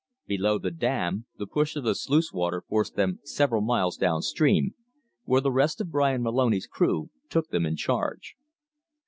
Below the dam, the push of the sluice water forced them several miles down stream, where the rest of Bryan Moloney's crew took them in charge.